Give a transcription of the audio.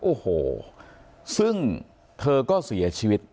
โอ้โหซึ่งเธอก็เสียชีวิต